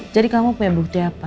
jadi kamu punya bukti apa